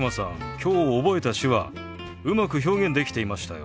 今日覚えた手話うまく表現できていましたよ。